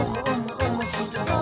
おもしろそう！」